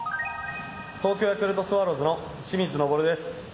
東京ヤクルトスワローズの清水昇です。